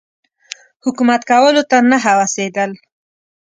حکومت کولو ته نه هوسېدل.